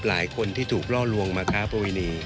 หลายคนที่ถูกล่อลวงมาค้าประเวณี